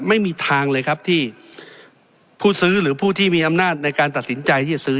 ไม่มีทางเลยครับที่ผู้ซื้อหรือผู้ที่มีอำนาจในการตัดสินใจที่จะซื้อ